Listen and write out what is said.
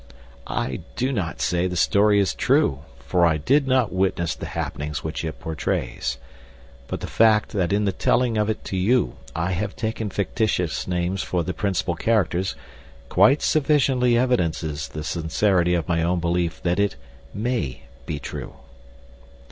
I do not say the story is true, for I did not witness the happenings which it portrays, but the fact that in the telling of it to you I have taken fictitious names for the principal characters quite sufficiently evidences the sincerity of my own belief that it may be true.